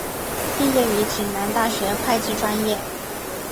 毕业于暨南大学会计专业。